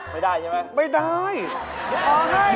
ไม่ได้ใช่ไหมไม่ได้